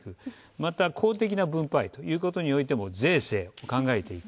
また、公的な分配ということにおいても税制、考えていく。